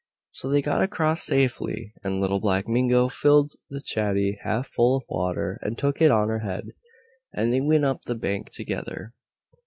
So they got across safely, and Little Black Mingo filled the chatty half full of water and took it on her head, and they went up the bank together.